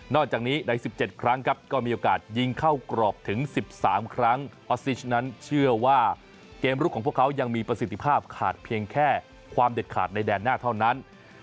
จากนี้ใน๑๗ครั้งครับก็มีโอกาสยิงเข้ากรอบถึง๑๓ครั้งออสซิชนั้นเชื่อว่าเกมลุกของพวกเขายังมีประสิทธิภาพขาดเพียงแค่ความเด็ดขาดในแดนหน้าเท่านั้น